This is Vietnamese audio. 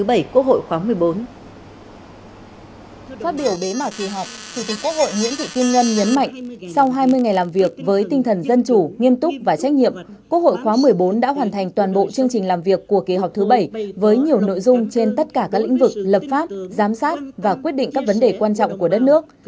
phát biểu bế mạc kỳ họp chủ tịch quốc hội nguyễn thị kim ngân nhấn mạnh sau hai mươi ngày làm việc với tinh thần dân chủ nghiêm túc và trách nhiệm quốc hội khóa một mươi bốn đã hoàn thành toàn bộ chương trình làm việc của kỳ họp thứ bảy với nhiều nội dung trên tất cả các lĩnh vực lập pháp giám sát và quyết định các vấn đề quan trọng của đất nước